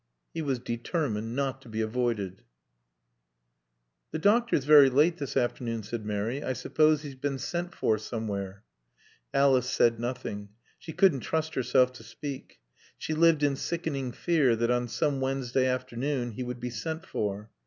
He was determined not to be avoided. "The doctor's very late this afternoon," said Mary. "I suppose he's been sent for somewhere." Alice said nothing. She couldn't trust herself to speak. She lived in sickening fear that on some Wednesday afternoon he would be sent for.